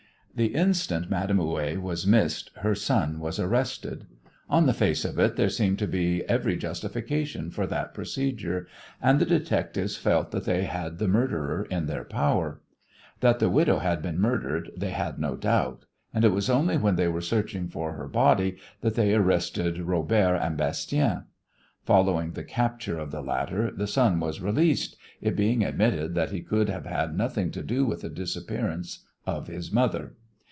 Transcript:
The instant Madame Houet was missed her son was arrested. On the face of it there seemed to be every justification for that procedure, and the detectives felt that they had the murderer in their power. That the widow had been murdered they had no doubt, and it was only when they were searching for her body that they arrested Robert and Bastien. Following the capture of the latter the son was released, it being admitted that he could have had nothing to do with the disappearance of his mother.